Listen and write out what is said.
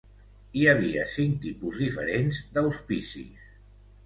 Hi havia cinc tipus diferents d"auspicis.